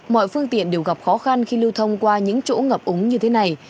mọi phương tiện đều gặp khó khăn khi lưu thông qua những chỗ ngập úng như thế này